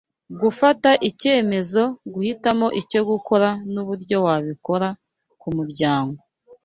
gufata ibyemezo guhitamo icyo gukora nuburyo wabikora kumuryang